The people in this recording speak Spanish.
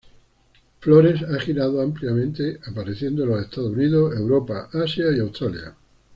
Flores ha girado ampliamente, apareciendo en los Estados Unidos, Europa, Asia y Australia.